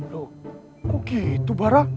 loh kok gitu bara